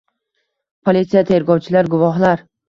Polisiya, tergovchilar, guvohlar